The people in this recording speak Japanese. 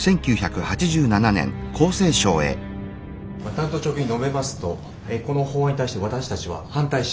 単刀直入に述べますとこの法案に対して私たちは反対します。